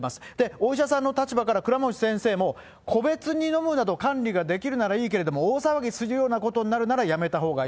お医者さんの立場から、倉持先生も、個別に飲むなど、管理ができるならいいけれども、大騒ぎするようなことになるなら、やめたほうがいい。